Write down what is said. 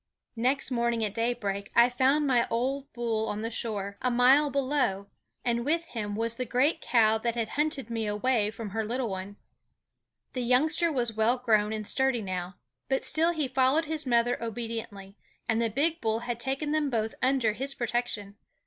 Next morning at daybreak I found my old bull on the shore, a mile below; and with him was the great cow that had hunted me away from her little one. The youngster was well grown and sturdy now, but still he followed his mother obediently; and the big bull had taken them both under his protection.